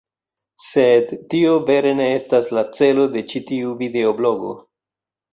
Sed... tio vere ne estas la celo de ĉi tiu videoblogo.